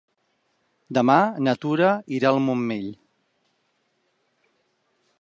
Demà na Tura irà al Montmell.